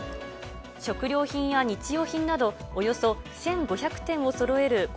食料品や日用品など、およそ１５００点をそろえる